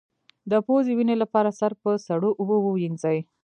د پوزې وینې لپاره سر په سړو اوبو ووینځئ